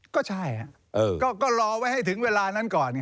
ก็ใช่ก็รอไว้ให้ถึงเวลานั้นก่อนไง